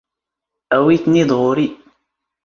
ⴰⵡⵉ ⵜⵏ ⵉⴷ ⵖⵓⵔⵉ.